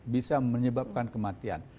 bisa menyebabkan kematian